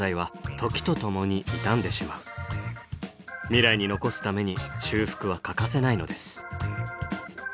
未来に残すために修復は欠かせないのです。